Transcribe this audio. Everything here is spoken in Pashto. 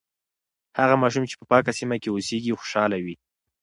هغه ماشوم چې په پاکه سیمه کې اوسیږي، خوشاله وي.